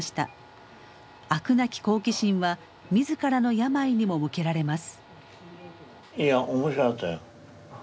飽くなき好奇心は自らの病にも向けられます。